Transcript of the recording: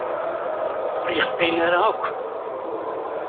Ur yeqqin ara akk.